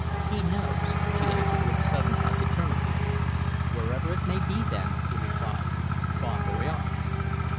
"He knows," she answered with sudden taciturnity. "Wherever it may be, then," he replied, "bon voyage!"